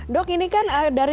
dok ini kan dari